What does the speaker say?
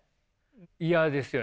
嫌ですよね。